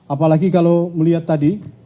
apalagi kalau melihat tadi